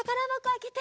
あけて。